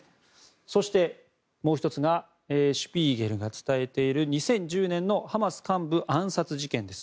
そして、もう１つが「シュピーゲル」が伝えている２０１０年のハマス幹部暗殺事件です。